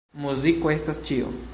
Muziko estas ĉio.